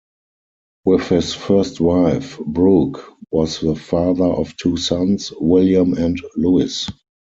With his first wife, Brooke was the father of two sons, William and Louis.